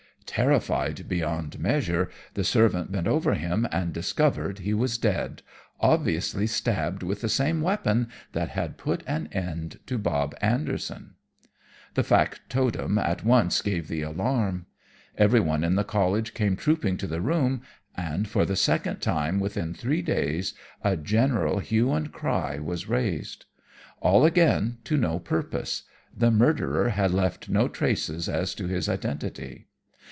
"Terrified beyond measure, the servant bent over him and discovered he was dead, obviously stabbed with the same weapon that had put an end to Bob Anderson. "The factotum at once gave the alarm. Everyone in the College came trooping to the room, and for the second time within three days a general hue and cry was raised. All, again, to no purpose the murderer had left no traces as to his identity.